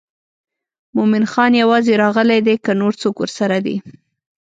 مومن خان یوازې راغلی دی که نور څوک ورسره دي.